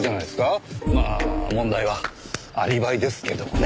まあ問題はアリバイですけどもね。